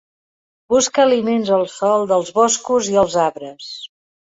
Busca aliments al sòl dels boscos i als arbres.